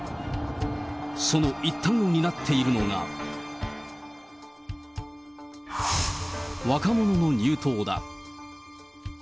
その一端を担っているのが、若者の入党だ。